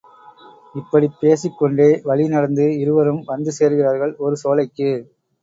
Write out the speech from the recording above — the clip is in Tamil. இப்படிப் பேசிக் கொண்டே வழி நடந்து இருவரும் வந்து சேர்கிறார்கள் ஒரு சோலைக்கு.